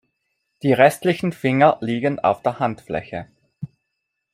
Die restlichen Finger liegen auf der Handfläche.